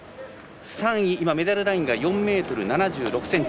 ３位、メダルラインが４ｍ７６ｃｍ。